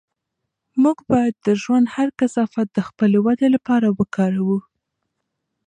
موږ باید د ژوند هر کثافت د خپلې ودې لپاره وکاروو.